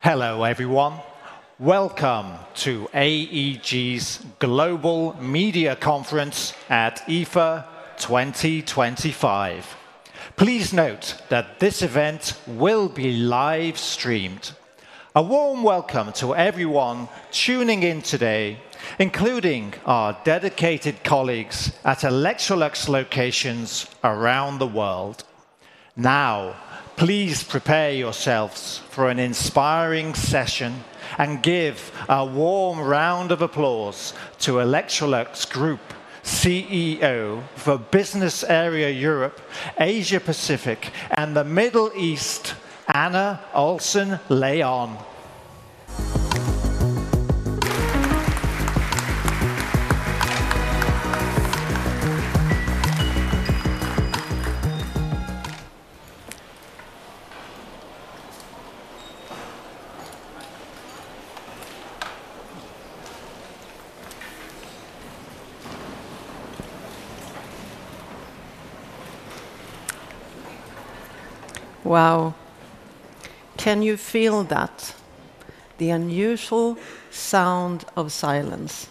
Hello, everyone. Welcome to AEG's Global Media Conference at IFA twenty twenty five. Please note that this event will be livestreamed. A warm welcome to everyone tuning in today, including our dedicated colleagues at Electrolux locations around the world. Now, please prepare yourselves for an inspiring session and give a warm round of applause to Electrolux Group CEO for Business Area Europe, Asia Pacific and The Middle East, Anna Olson Leon. Wow. Can you feel that? The unusual sound of silence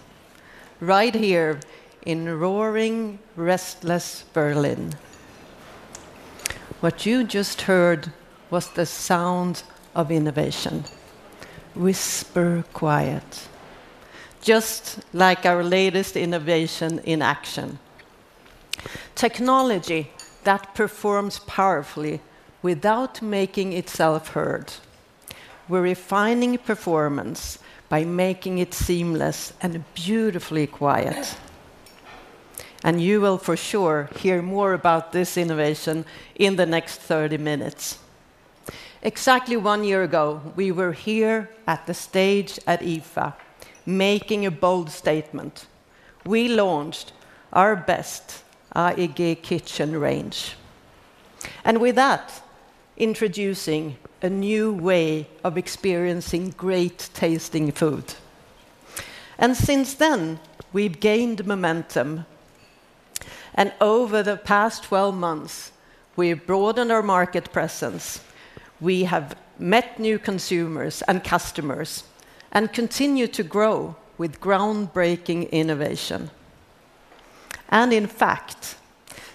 right here in roaring, restless Berlin. What you just heard was the sound of innovation, whisper quiet, just like our latest innovation in action, technology that performs powerfully without making itself heard. We're refining performance by making it seamless and beautifully quiet. And you will for sure hear more about this innovation in the next thirty minutes. Exactly one year ago, we were here at the stage at IFA making a bold statement. We launched our best AiGi kitchen range. And with that, introducing a new way of experiencing great tasting food. And since then, we've gained momentum. And over the past twelve months, we have broadened our market presence. We have met new consumers and customers and continue to grow with groundbreaking innovation. And in fact,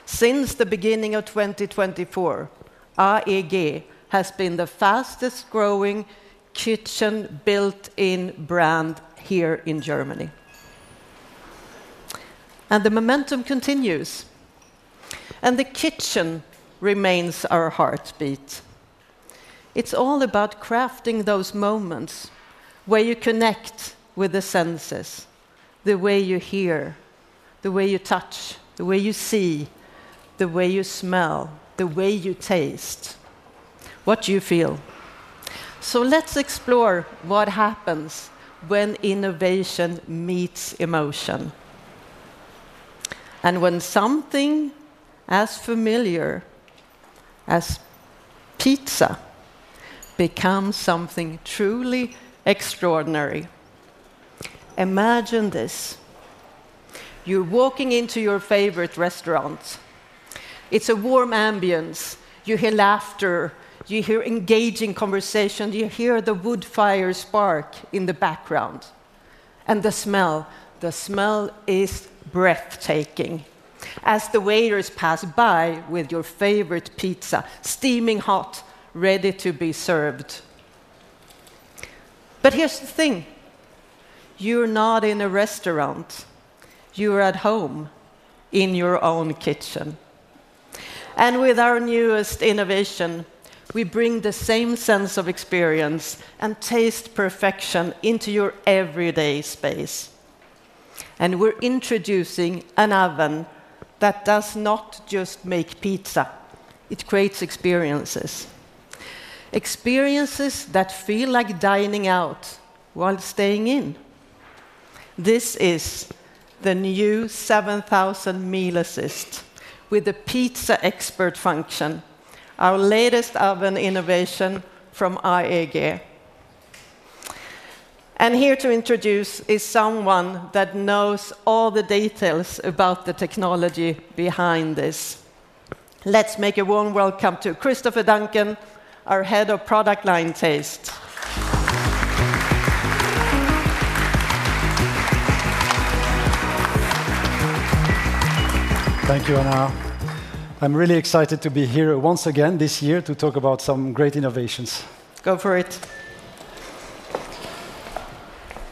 since the beginning of 2024, AEG has been the fastest growing kitchen built in brand here in Germany. And the momentum continues, and the kitchen remains our heartbeat. It's all about crafting those moments where you connect with the senses, the way you hear, the way you touch, the way you see, the way you smell, the way you taste, what you feel. So let's explore what happens when innovation meets emotion. And when something as familiar as pizza becomes something truly extraordinary. Imagine this. You're walking into your favorite restaurant. It's a warm ambiance. You hear laughter. You hear engaging conversation. You hear the wood fire spark in the background. And the smell, the smell is breathtaking as the waiters pass by with your favorite pizza, steaming hot, ready to be served. But here's the thing, you're not in a restaurant, you're at home in your own kitchen. And with our newest innovation, we bring the same sense of experience and taste perfection into your everyday space. And we're introducing an oven that does not just make pizza, it creates experiences. Experiences that feel like dining out while staying in. This is the new 7,000 Meal Assist with the Pizza Expert function, our latest oven innovation from Ai AG. And here to introduce is someone that knows all the details about the technology behind this. Let's make a warm welcome to Christopher Duncan, our head of product line taste. Thank you, Ana. I'm really excited to be here once again this year to talk about some great innovations. Go for it.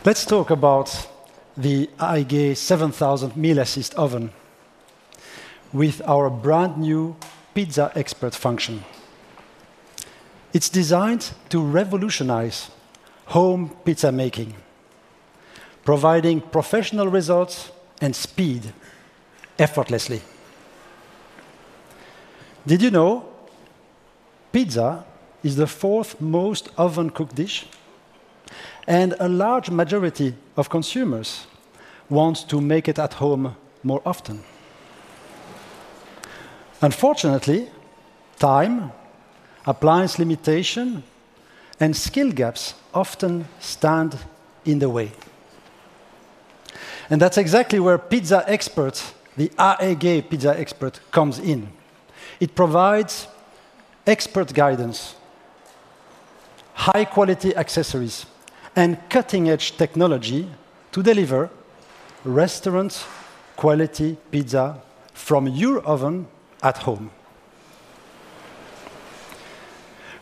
Let's talk about the Aigee 7,000 meal assist oven with our brand new pizza expert function. It's designed to revolutionize home pizza making, providing professional results and speed effortlessly. Did you know pizza is the fourth most oven cooked dish, and a large majority of consumers want to make it at home more often. Unfortunately, time, appliance limitation, and skill gaps often stand in the way. And that's exactly where Pizza Experts, the A. Gay Pizza Experts, comes in. It provides expert guidance, high quality accessories, and cutting edge technology to deliver restaurant quality pizza from your oven at home.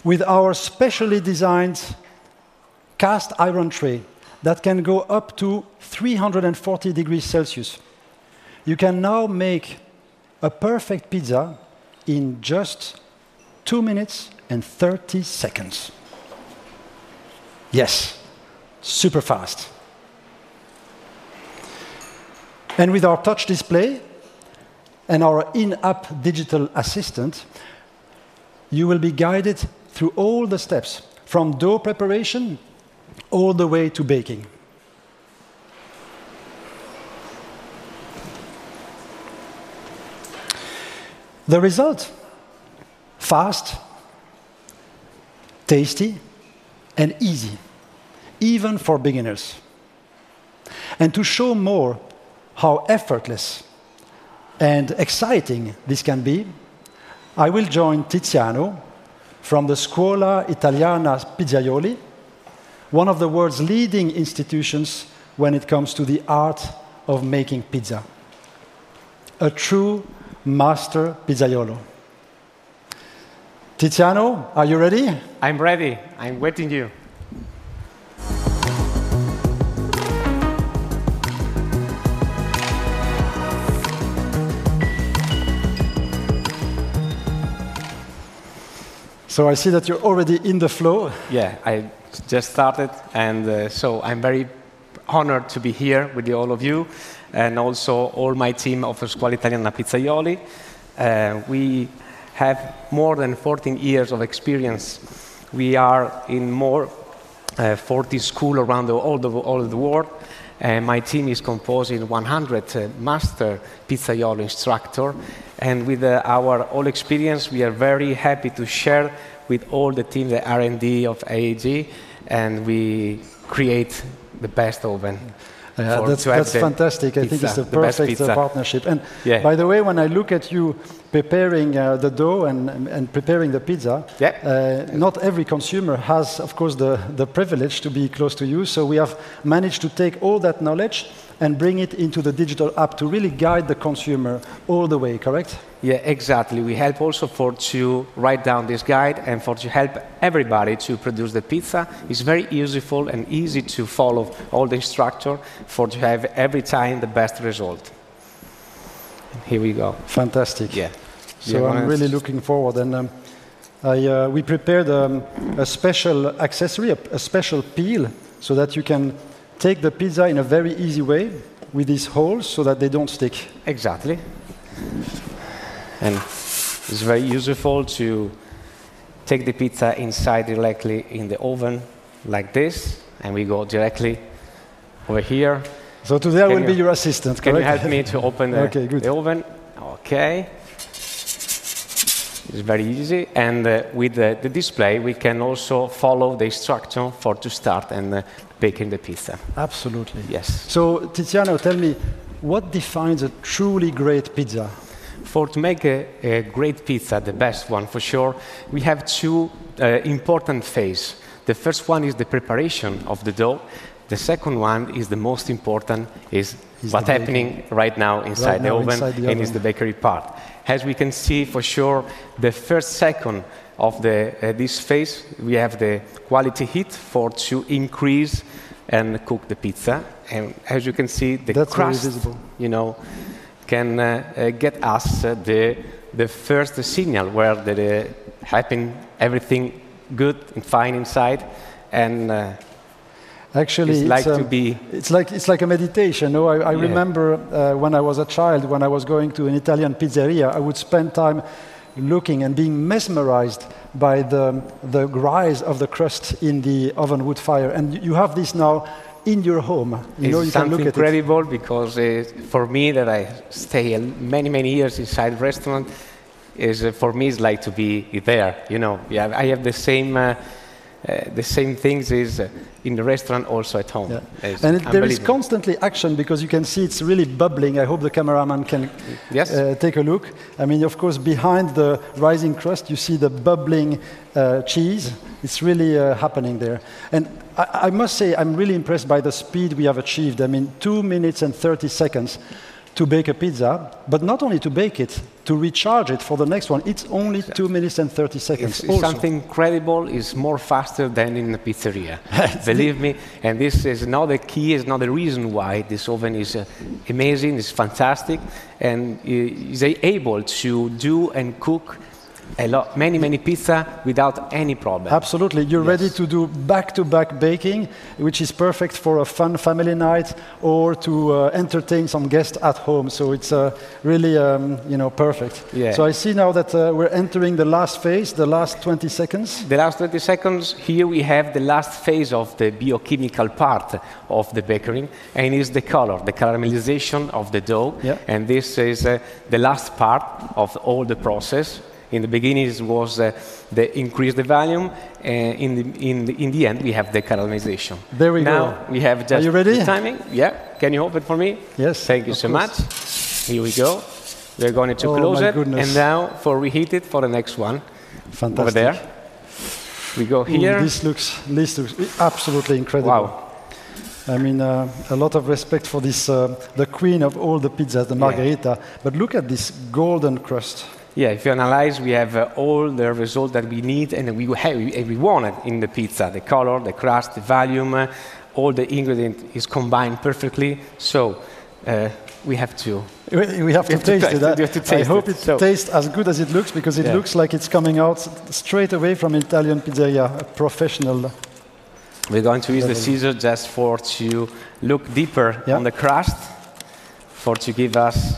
With our specially designed cast iron tray that can go up to 340 degrees Celsius, you can now make a perfect pizza in just two minutes and thirty seconds. Yes. Super fast. And with our touch display and our in app digital assistant, you will be guided through all the steps, from dough preparation all the way to baking. The result, fast, tasty, and easy, even for beginners. And to show more how effortless and exciting this can be, I will join Tiziano from the Scuola Italiana's Pizzagioli, one of the world's leading institutions when it comes to the art of making pizza, a true master pizzaiolo. Tietiano, are you ready? I'm ready. I'm waiting you. So I see that you're already in the flow. Yeah. I just started. And, so I'm very honored to be here with all of you. And also, all my team of Eusqualitari and Napizzaioli. We have more than fourteen years of experience. We are in more 40 school around the all the all the world. And my team is composing 100 master pizza y'all instructor. And with our all experience, we are very happy to share with all the team the r and d of AEG, and we create the best oven. That's fantastic. I think it's the perfect partnership. And by the way, when I look at you preparing the dough and and preparing the pizza Yep. Not every consumer has, of course, the the privilege to be close to you. So we have managed to take all that knowledge and bring it into the digital app to really guide the consumer all the way. Correct? Yeah. Exactly. We have also for to write down this guide and for to help everybody to produce the pizza. It's very useful and easy to follow all the structure for to have every time the best result. Here we go. Fantastic. Yeah. So I'm really looking forward. And I we prepared a special accessory, a special peel, so that you can take the pizza in a very easy way with these holes so that they don't stick. Exactly. And it's very useful to take the pizza inside directly in the oven like this, and we go directly over here. So today, I will be your assistant. Can I me to open the Okay? Good. The oven. Okay. It's very easy. And with the the display, we can also follow the structure for to start and bake in the pizza. Absolutely. Yes. So Tiziano, tell me, what defines a truly great pizza? For to make a great pizza, the best one for sure, we have two important phase. The first one is the preparation of the dough. The second one is the most important, is what's happening right now inside the oven and is the bakery part. As we can see for sure, the first second of the this phase, we have the quality heat for to increase and cook the pizza. And as you can see, the crust, you know, can get us the the first signal where they're having everything good and fine inside. And Actually it's like to be It's like it's like a meditation. You I I remember, when I was a child, when I was going to an Italian pizzeria, I would spend time looking and being mesmerized by the the grise of the crust in the oven wood fire. And you have this now in your home. It's incredible because for me that I stay many, many years inside restaurant is, for me, like to be there. You know? Yeah. I have the same the same things is in the restaurant also at home. Yeah. And there's constantly action because you can see it's really bubbling. I hope the cameraman can Yes. Take a look. I mean, of course, behind the rising crust, you see the bubbling cheese. It's really happening there. And I must say, I'm really impressed by the speed we have achieved. I mean, two minutes and thirty seconds to bake a pizza, but not only to bake it, to recharge it for the next one. It's only two minutes and thirty seconds. It's incredible is more faster than in the pizzeria. Believe me. And this is another key, is another reason why this oven is amazing, is fantastic, and is able to do and cook a lot many, many pizza without any problem. Absolutely. You're ready to do back to back baking, which is perfect for a fun family night or to entertain some guests at home. So it's really, you know, perfect. Yeah. So I see now that we're entering the last phase, the last twenty seconds. The last twenty seconds. Here we have the last phase of the biochemical part of the bickering, and it is the color, the caramelization of the dough. Yeah. And this is the last part of all the process. In the beginning, it was increase the volume. In the in the in the end, we have the caramelization. There we go. We have just Are you ready? Timing. Yeah. Can you open for me? Yes. Thank you so much. Here we go. We're going to close it. And now, before we heat it for the next one Fantastic. Over there. We go here. This looks this looks absolutely incredible. I mean, a lot of respect for this the queen of all the pizzas, the margherita. But look at this golden crust. Yeah. If you analyze, we have all the result that we need, and we have everyone in the pizza, the color, the crust, the volume, all the ingredients is combined perfectly. So we have to We have to taste that. We have to taste hope it tastes as good as it looks because it looks like it's coming out straight away from Italian pizzeria, a professional We're going to use the scissors just for to look deeper Yeah. On the crust for to give us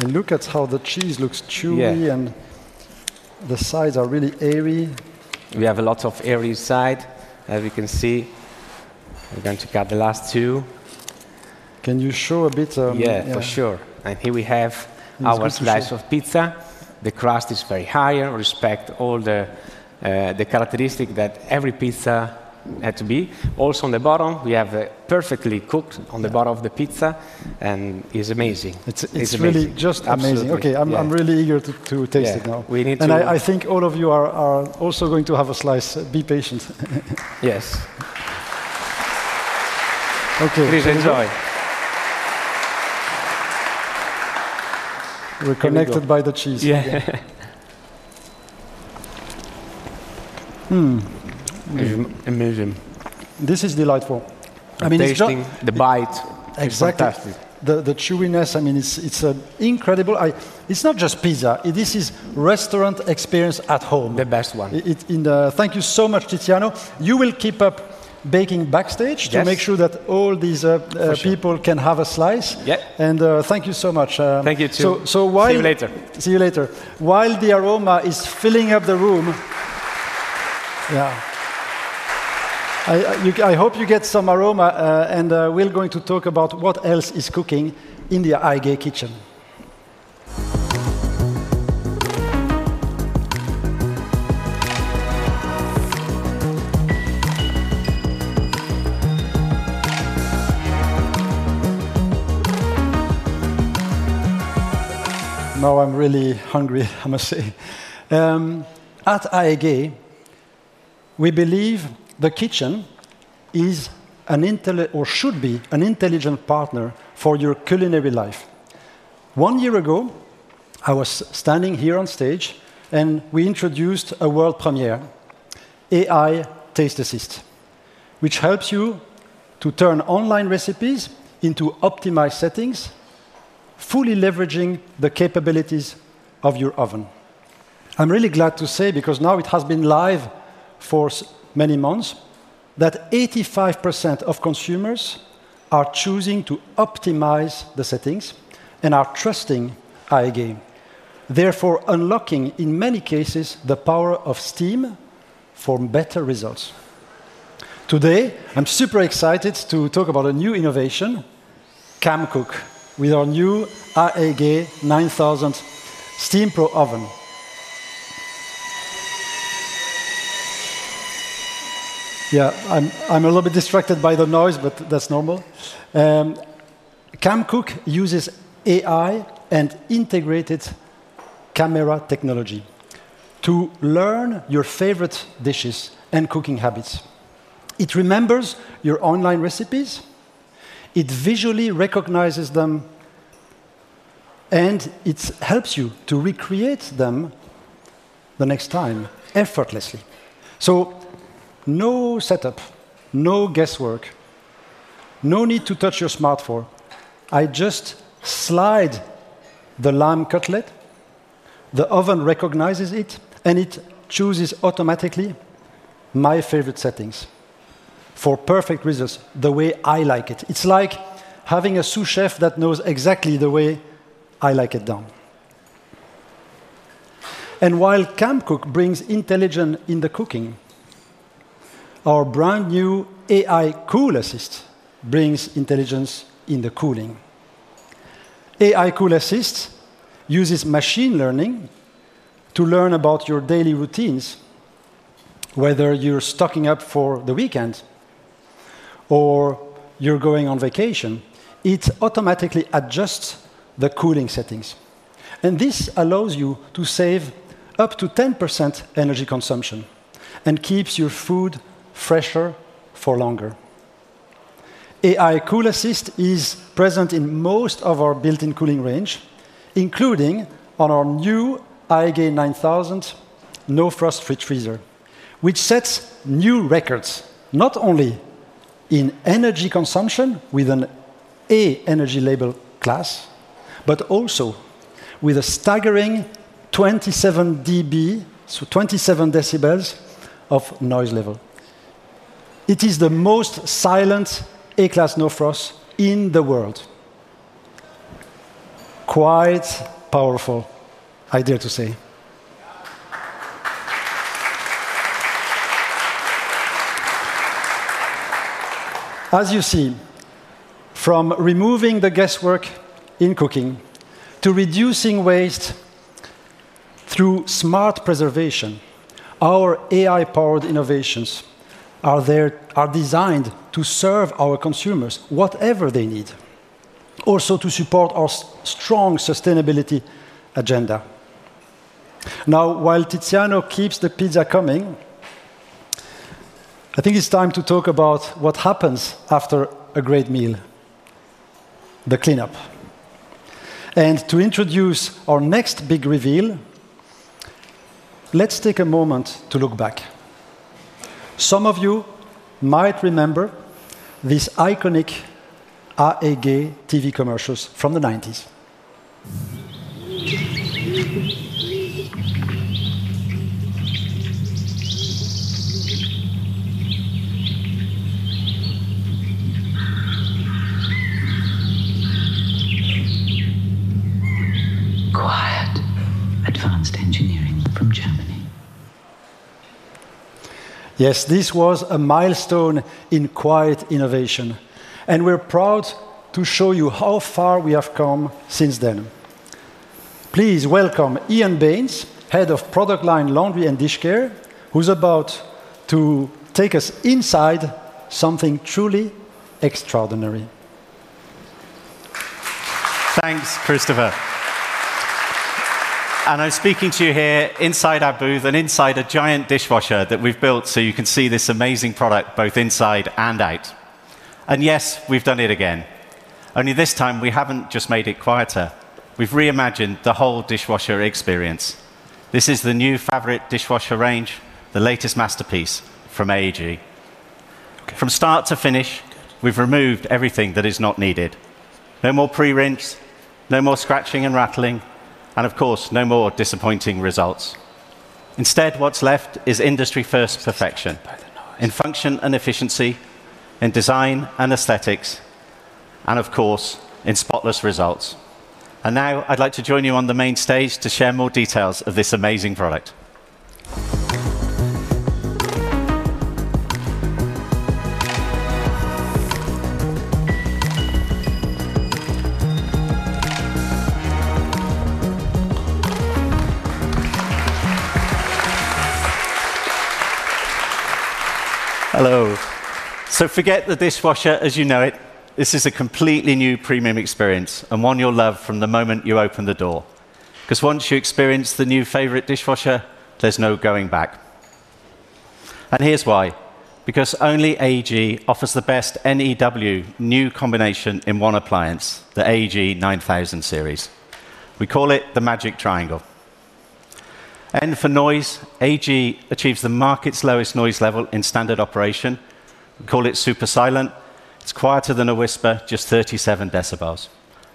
And look at how the cheese looks chewy and the sides are really airy. We have a lot of airy side. As you can see, we're going to cut the last two. Can you show a bit? Yeah. For sure. And here we have slice of pizza. The crust is very high. We respect all the the characteristic that every pizza had to be. Also, the bottom, we have perfectly cooked on the bottom of the pizza, and it's amazing. It's it's really just Okay. I'm I'm really eager to to taste it now. We need to. And I I think all of you are are also going to have a slice. Be patient. Yes. Okay. Please enjoy. We're connected by the cheese. Yeah. Amazing. This is delightful. tasting, the bite. Exactly. The the chewiness, I mean, it's it's incredible. I it's not just pizza. This is restaurant experience at home. The best one. It in the thank you so much, Tiziano. You will keep up baking backstage to make sure that all these people can have a slice. Yeah. And thank you so much. Thank you too. So so while See you later. See you later. While the aroma is filling up the room Yeah. Hope you get some aroma, and, we're going to talk about what else is cooking in the IGA kitchen. Now I'm really hungry, I must say. At IAG, we believe the kitchen is an intellect or should be an intelligent partner for your culinary life. One year ago, I was standing here on stage, and we introduced a world premiere, AI Taste Assist, which helps you to turn online recipes into optimized settings, fully leveraging the capabilities of your oven. I'm really glad to say, because now it has been live for many months, that 85% of consumers are choosing to optimize the settings and are trusting therefore unlocking, in many cases, the power of steam for better results. Today, I'm super excited to talk about a new innovation, CAMCOOK, with our new iAgay 9,000 steam pro oven. Yeah. I'm I'm a little bit distracted by the noise, but that's normal. CamCook uses AI and integrated camera technology to learn your favorite dishes and cooking habits. It remembers your online recipes, it visually recognizes them, and it helps you to recreate them the next time effortlessly. So no setup, no guesswork, no need to touch your smartphone. I just slide the lime cutlet, the oven recognizes it, and it chooses automatically my favorite settings for perfect results the way I like it. It's like having a sous chef that knows exactly the way I like it done. And while CamCook brings intelligence in the cooking, our brand new AI cool assist brings intelligence in the cooling. AI Cool Assist uses machine learning to learn about your daily routines. Whether you're stocking up for the weekend or you're going on vacation, it automatically adjusts the cooling settings. And this allows you to save up to 10% energy consumption and keeps your food fresher for longer. AI Cool Assist is present in most of our built in cooling range, including on our new iGain 9,000 no frost free freezer, which sets new records not only in energy consumption with an a energy label class, but also with a staggering 27 dB, so 27 decibels of noise level. It is the most silent a class no frost in the world. Quite powerful, I dare to say. As you see, from removing the guesswork in cooking to reducing waste through smart preservation, our AI powered innovations are there, are designed to serve our consumers whatever they need, also to support our strong sustainability agenda. Now while Tiziano keeps the pizza coming, I think it's time to talk about what happens after a great meal, the cleanup. And to introduce our next big reveal, let's take a moment to look back. Some of you might remember these iconic r a gay TV commercials from the nineties. Quiet advanced engineering from Germany. Yes. This was a milestone in quiet innovation, and we're proud to show you how far we have come since then. Please welcome Ian Baines, head of product line laundry and dish care, who's about to take us inside something truly extraordinary. Thanks, Christopher. And I'm speaking to you here inside our booth and inside a giant dishwasher that we've built so you can see this amazing product both inside and out. And yes, we've done it again. Only this time, we haven't just made it quieter. We've reimagined the whole dishwasher experience. This is the new favorite dishwasher range, the latest masterpiece from AEG. From start to finish, we've removed everything that is not needed. No more pre rinse, no more scratching and rattling, and of course, no more disappointing results. Instead, what's left is industry first perfection in function and efficiency, in design and aesthetics, and of course, in spotless results. And now, I'd like to join you on the main stage to share more details of this amazing product. Hello. So forget the dishwasher as you know it. This is a completely new premium experience, and one you'll love from the moment you open the door. Because once you experience the new favorite dishwasher, there's no going back. And here's why. Because only a g offers the best NEW new combination in one appliance, the a g 9,000 series. We call it the magic triangle. N for noise, a g achieves the market's lowest noise level in standard operation. We call it super silent. It's quieter than a whisper, just 37 decibels.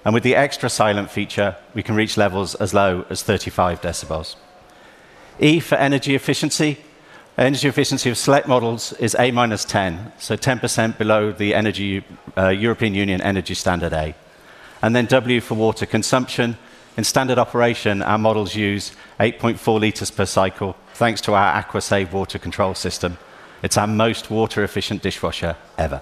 And with the extra silent feature, we can reach levels as low as 35 decibels. E for energy efficiency. Energy efficiency of select models is a minus 10, so 10% below the energy European Union energy standard a. And then w for water consumption. In standard operation, our models use 8.4 liters per cycle, thanks to our AquaSafe water control system. It's our most water efficient dishwasher ever.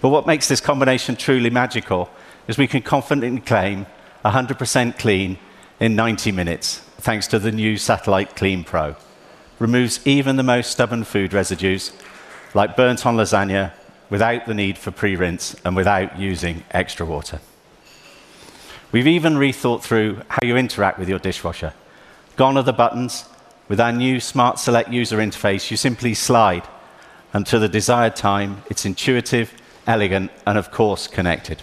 But what makes this combination truly magical is we can confidently claim a 100% clean in ninety minutes, thanks to the new Satellite Clean Pro. Removes even the most stubborn food residues, like burnt on lasagna, without the need for pre rinse and without using extra water. We've even rethought through how you interact with your dishwasher. Gone are the buttons. With our new smart select user interface, you simply slide until the desired time. It's intuitive, elegant and, of course, connected.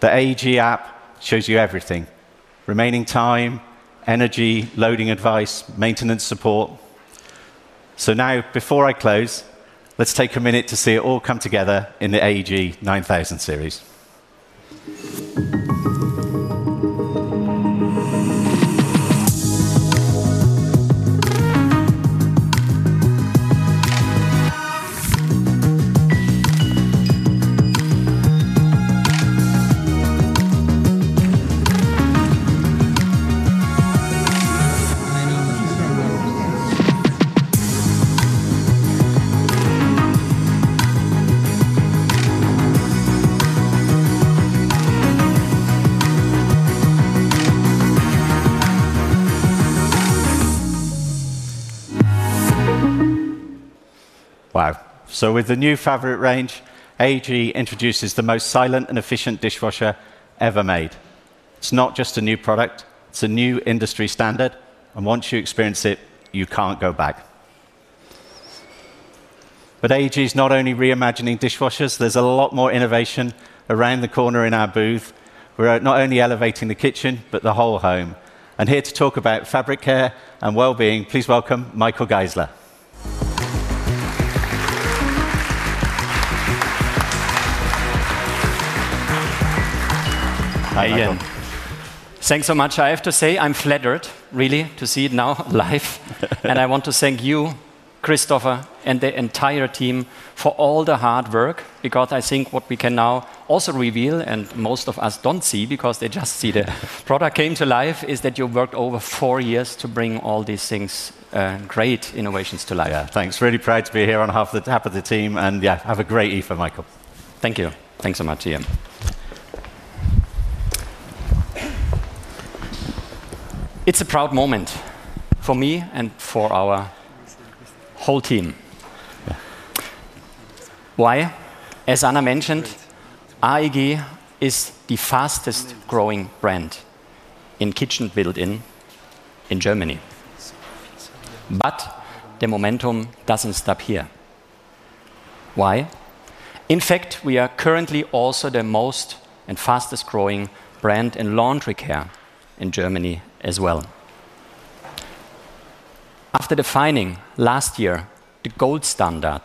The AEG app shows you everything, remaining time, energy, loading advice, maintenance support. So now, before I close, let's take a minute to see it all come together in the a g 9,000 series. Wow. So with the new fabric range, AEG introduces the most silent and efficient dishwasher ever made. It's not just a new product. It's a new industry standard, and once you experience it, you can't go back. But AG is not only reimagining dishwashers, there's a lot more innovation around the corner in our booth. We're not only elevating the kitchen, but the whole home. And here to talk about fabric care and well-being, please welcome Michael Geisler. Hi, Ian. Thanks so much. I have to say, I'm flattered, really, to see it now live. And I want to thank you, Christopher, and the entire team for all the hard work because I think what we can now also reveal and most of us don't see because they just see the product came to life is that you worked over four years to bring all these things great innovations to life. Yeah. Thanks. Really proud to be here on half the half of the team and yeah. Have a great eve, Michael. Thank you. Thanks so much, Ian. It's a proud moment for me and for our whole team. Why? As Anna mentioned, Aigee is the fastest growing brand in kitchen built in in Germany. But the momentum doesn't stop here. Why? In fact, we are currently also the most and fastest growing brand in laundry care in Germany as well. After defining last year the gold standard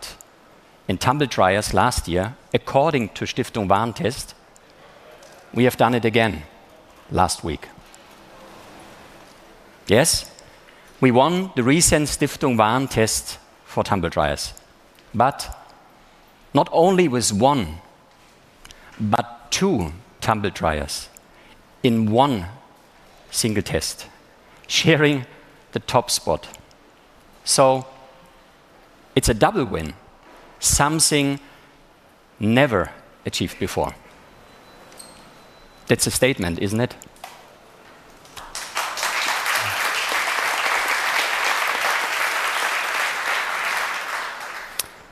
in tumble dryers last year according to Stiftung Wann test, we have done it again last week. Yes, we won the recent Stiftung Wahen test for tumble dryers, but not only with one, but two tumble dryers in one single test, sharing the top spot. So it's a double win, something never achieved before. That's a statement, isn't it?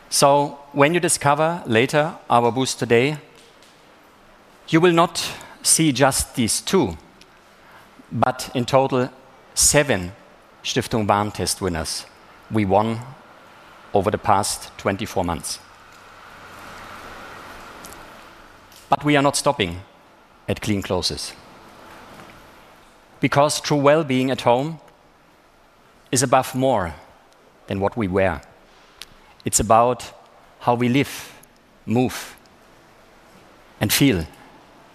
So when you discover later our booth today, you will not see just these two, but in total seven Stiftung Wan test winners we won over the past twenty four months. But we are not stopping at clean closes because true well-being at home is above more than what we wear. It's about how we live, move, and feel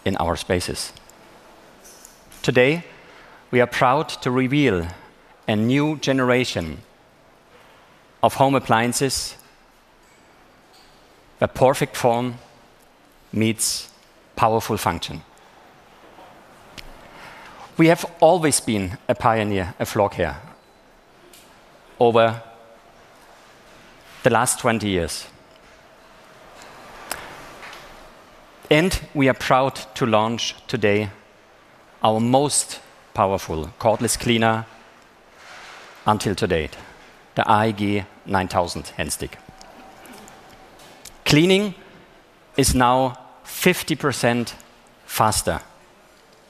in our spaces. Today, we are proud to reveal a new generation of home appliances where perfect form meets powerful function. We have always been a pioneer of vlog hair over the last twenty years. And we are proud to launch today our most powerful cordless cleaner until today, the Aigee 9,000 HandStick. Cleaning is now 50% faster,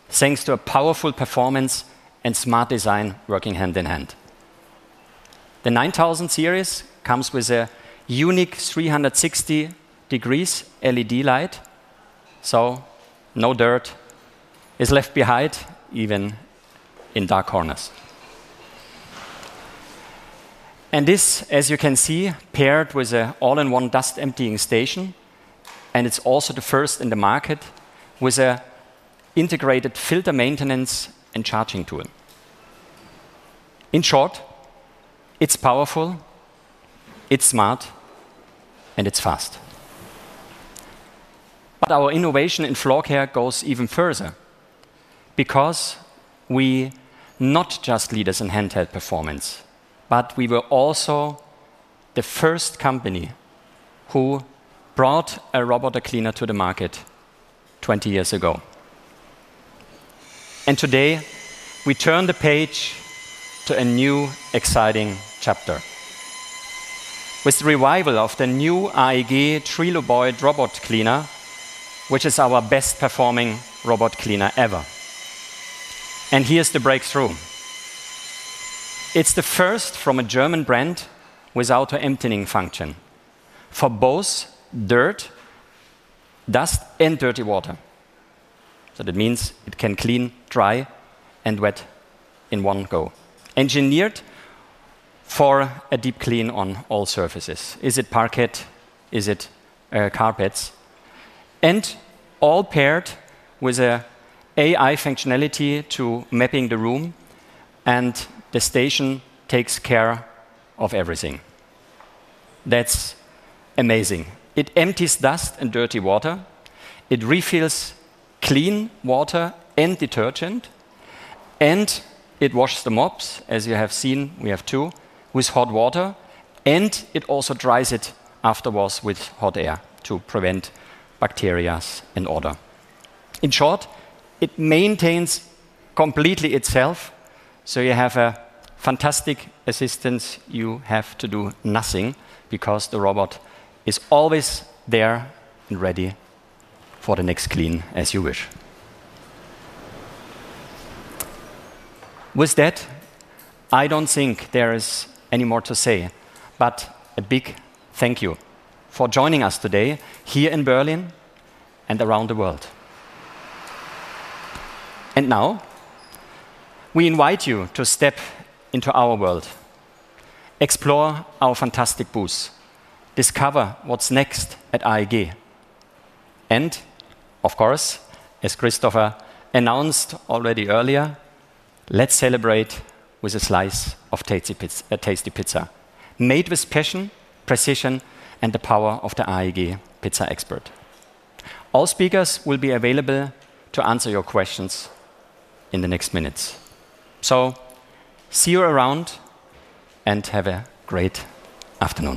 thanks to a powerful performance and smart design working hand in hand. The 9,000 series comes with a unique 360 degrees LED light, so no dirt is left behind even in dark corners. And this, as you can see, paired with an all in one dust emptying station and it's also the first in the market with an integrated filter maintenance and charging tool. In short, it's powerful, it's smart and it's fast. But our innovation in floor care goes even further because we not just leaders in handheld performance, but we were also the first company who brought a robot cleaner to the market twenty years ago. And today, we turn the page to a new exciting chapter. With the revival of the new Aigee Triloboy robot cleaner, which is our best performing robot cleaner ever. And here's the breakthrough. It's the first from a German brand without an emptying function for both dirt, dust, and dirty water. So that means it can clean, dry, and wet in one go. Engineered for a deep clean on all surfaces. Is it parquet? Is it carpets? And all paired with a AI functionality to mapping the room and the station takes care of everything. That's amazing. It empties dust and dirty water. It refills clean water and detergent and it washes the mops as you have seen, we have two, with hot water and it also dries it afterwards with hot air to prevent bacterias and odor. In short, it maintains completely itself so you have a fantastic assistance. You have to do nothing because the robot is always there and ready for the next clean as you wish. With that, I don't think there is any more to say, but a big thank you for joining us today here in Berlin and around the world. And now, we invite you to step into our world, explore our fantastic booth, Discover what's next at AAG. And of course, as Christopher announced already earlier, let's celebrate with a slice of tasty pizza, made with passion, precision and the power of the AEG pizza expert. All speakers will be available to answer your questions in the next minutes. So see you around and have a great afternoon.